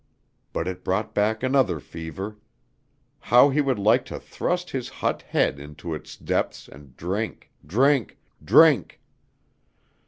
But it brought back another fever; how he would like to thrust his hot head into its depths and drink, drink, drink!